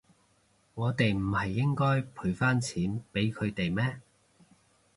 我哋唔係應該賠返錢畀佢哋咩？